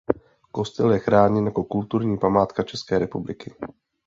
Kostel je v chráněn jako kulturní památka České republiky.